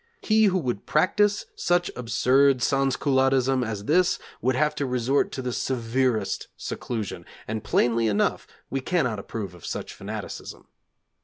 He who would practise such absurd sansculottism as this would have to resort to the severest seclusion, and plainly enough we cannot approve of such fanaticism.